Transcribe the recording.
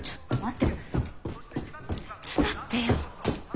手伝ってよ。